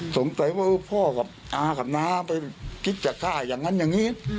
สงสัยว่าพ่อกับอากับน้าไปคิดจะฆ่าอย่างนั้นอย่างนี้